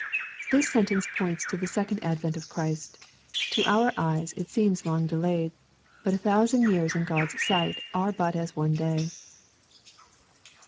] This sentence points to the second advent of Christ. To our eyes it seems long delayed. But a tliou sand years in God's sight are but as one day.